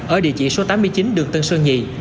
ở địa chỉ số tám mươi chín đường tân sơn nhì